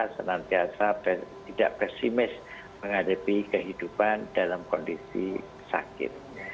senantiasa tidak pesimis menghadapi kehidupan dalam kondisi sakit